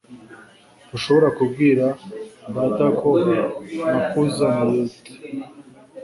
Ntushobora kubwira data ko nakuzaniye t